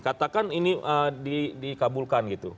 katakan ini dikabulkan gitu